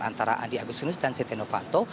antara andi agustinus dan stiano fanto